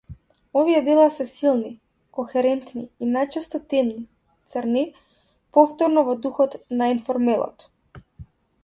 Овие дела се силни, кохерентни и најчесто темни, црни, повторно во духот на енформелот.